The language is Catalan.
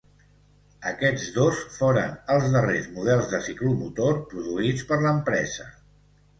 Aquests dos foren els darrers models de ciclomotor produïts per l'empresa.